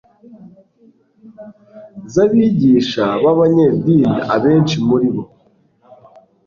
zabigisha b'abanyedini, abenshi muri bo